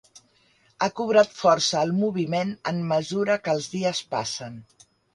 Ha cobrat força el moviment en mesura que els dies passen.